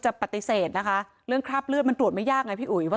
ปฏิเสธนะคะเรื่องคราบเลือดมันตรวจไม่ยากไงพี่อุ๋ยว่า